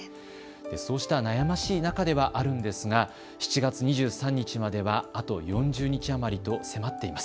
そうした悩ましい中ではあるんですが７月２３日まではあと４０日余りと迫っています。